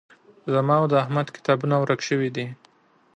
زما او د احمد کتابونه ورک شوي دي